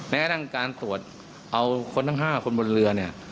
ในแอดังการตรวจเอาคนทั้ง๕คนบนเรือเนี่ย